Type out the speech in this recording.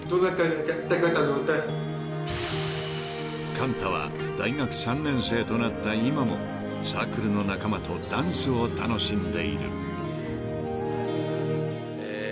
［寛太は大学３年生となった今もサークルの仲間とダンスを楽しんでいる］